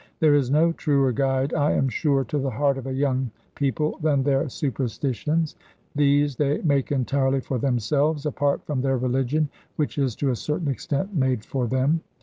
There is no truer guide, I am sure, to the heart of a young people than their superstitions; these they make entirely for themselves, apart from their religion, which is, to a certain extent, made for them.